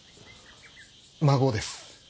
孫です。